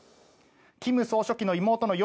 金総書記の妹の与